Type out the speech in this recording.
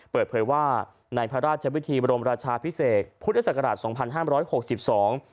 เปิดเผยว่าในพระราชวิธีบรมราชาพิเศษพุทธศักราชสองพันห้ามร้อยหกสิบสอง